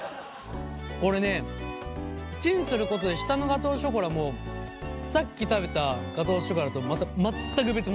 これねチンすることで下のガトーショコラもさっき食べたガトーショコラとまた全く別物。